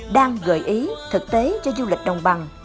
đang gợi ý thực tế cho du lịch đồng bằng